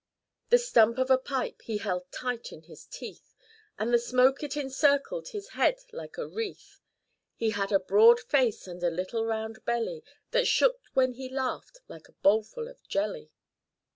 The stump of a pipe he held tight in his teeth, And the smoke, it encircled his head like a wreath. He had a broad face and a little round belly, That shook, when he laughed, like a bowl full of jelly.